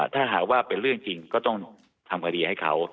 ถ้าหากว่าเป็นเรื่องจริงก็ต้องทำคดีให้เขา